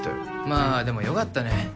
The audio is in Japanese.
まあでも良かったね。